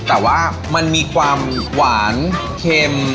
แต่ว่ามันมีความหวานเค็ม